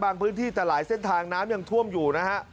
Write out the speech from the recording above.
พื้นที่แต่หลายเส้นทางน้ำยังท่วมอยู่นะฮะ